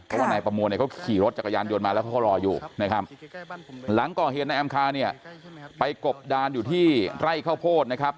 เพราะว่านายประมวลเนี่ยเขาขี่รถจักรยานยนต์มาแล้วเขาก็รออยู่นะครับหลังก่อเหตุนายแอมคาเนี่ยไปกบดานอยู่ที่ไร่ข้าวโพดนะครับ